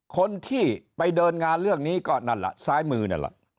คนที่ไปเดินงานเรื่องนี้ก็นั่นแหละซ้ายมือนั่นแหละ